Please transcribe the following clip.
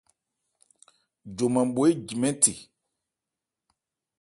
Joman bho éji mɛ́n the.